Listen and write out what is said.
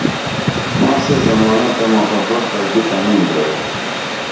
ماں سے زمانہ تہ محبت بہ اکی تنوئی درو